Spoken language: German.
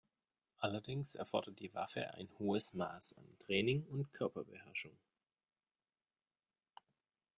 Allerdings erfordert die Waffe ein hohes Maß an Training und Körperbeherrschung.